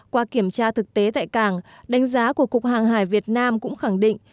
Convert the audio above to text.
qua kiểm tra thực tế tại cảng đánh giá của cục hàng hải việt nam cũng khẳng định